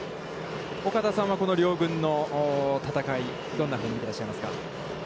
岡田さんは、この両軍の戦い、どんなふうに見ていらっしゃいますか。